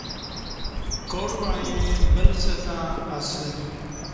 کاٹ وعیں بل ستں اسہ